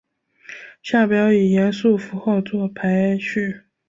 下表以元素符号作排序。